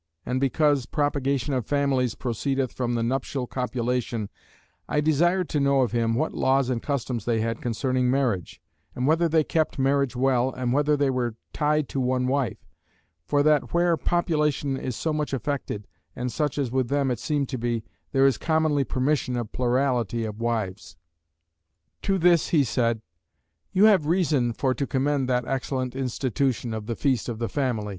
And because propagation of families proceedeth from the nuptial copulation, I desired to know of him what laws and customs they had concerning marriage; and whether they kept marriage well and whether they were tied to one wife; for that where population is so much affected,' and such as with them it seemed to be, there is commonly permission of plurality of wives. To this he said, "You have reason for to commend that excellent institution of the Feast of the Family.